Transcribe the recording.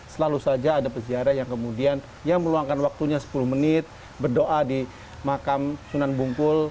selalu saja ada peziarah yang kemudian yang meluangkan waktunya sepuluh menit berdoa di makam sunan bungkul